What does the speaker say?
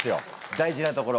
大事なところ。